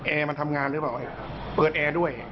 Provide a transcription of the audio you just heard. แอร์มันทำงานหรือเปล่าเปิดแอร์ด้วย